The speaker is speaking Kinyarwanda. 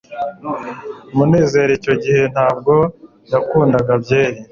munezero icyo gihe ntabwo yakundaga byeri